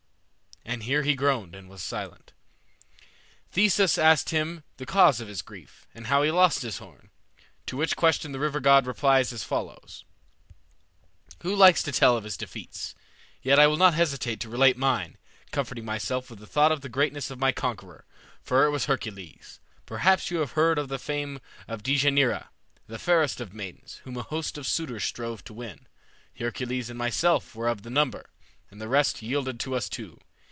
And here he groaned and was silent. Theseus asked him the cause of his grief, and how he lost his horn. To which question the river god replied as follows: "Who likes to tell of his defeats? Yet I will not hesitate to relate mine, comforting myself with the thought of the greatness of my conqueror, for it was Hercules. Perhaps you have heard of the fame of Dejanira, the fairest of maidens, whom a host of suitors strove to win. Hercules and myself were of the number, and the rest yielded to us two.